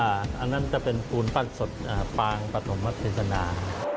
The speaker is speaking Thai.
สวัสดีค่ะอันนั้นจะเป็นภูมิบ้านสดปังปฐมพัฒนา